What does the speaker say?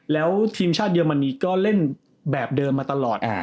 แล้วทีมชาติเยอรมนีก็เล่นแบบเดิมมาตลอด